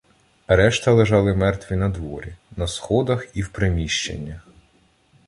Решта лежали мертві надворі, на сходах і в приміщеннях.